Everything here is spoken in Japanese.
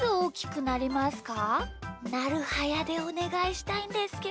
なるはやでおねがいしたいんですけど。